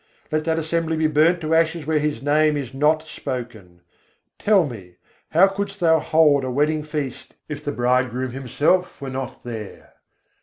Let that assembly be burnt to ashes where His Name is not spoken! Tell me, how couldst thou hold a wedding feast, if the bridegroom himself were not there?